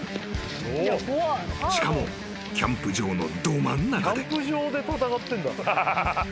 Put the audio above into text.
［しかもキャンプ場のど真ん中で］